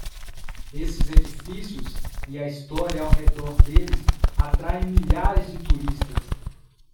Esses edifícios e a história ao redor deles atraem milhares de turistas.